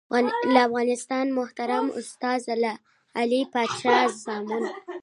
له افغانستانه محترم استاد لعل پاچا ازمون